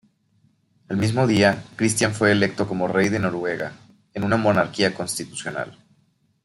El mismo día, Cristián fue electo como rey de Noruega, en una monarquía constitucional.